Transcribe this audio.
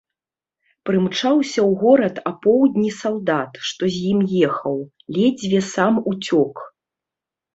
Прымчаўся ў горад апоўдні салдат, што з ім ехаў, ледзьве сам уцёк.